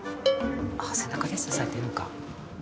あ背中で支えてるんか。